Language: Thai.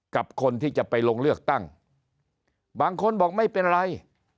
กับคนที่จะไปลงเลือกตั้งบางคนบอกไม่เป็นไร